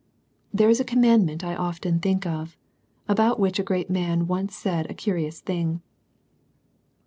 There is a commandment I often think of, about which a great man once said a curious thing.